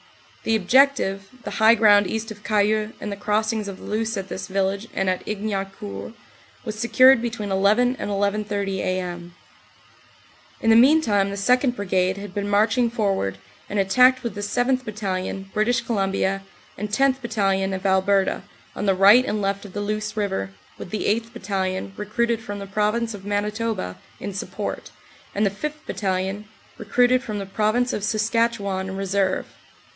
The objective, the high ground east of Cayeux and the cross ings of the Luce at this village and at Ignaucourt, was secured between 11 and 11.30a.m. In the meantime the 2nd. Brigade had been marching for ward, and attacked with the 7th. Battalion, British Columbia, and 10th. Battalion, of Alberta, on the right and left of the Luce river, with the 8th. Battalion, recruited from the Prov ince of Manitoba, in support, and the 5th. Battalion, recruited from the Province of Saskatchewan, in reserve.